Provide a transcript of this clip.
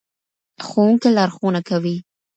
ښوونکي لارښوونه کوي.